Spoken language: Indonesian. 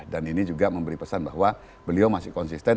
dan ini juga memberi pesan bahwa beliau masih konsisten